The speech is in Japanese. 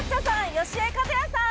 義江和也さん